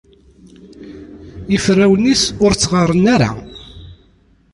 Iferrawen-is ur ttɣaren ara.